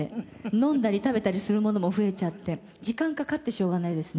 飲んだり食べたりするものも増えちゃって時間かかってしょうがないですね。